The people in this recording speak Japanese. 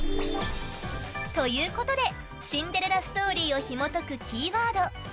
ということでシンデレラストーリーをひも解くキーワード